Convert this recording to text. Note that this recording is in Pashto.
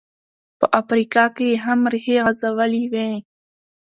په افریقا کې یې هم ریښې غځولې وې.